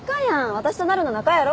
私となるの仲やろ？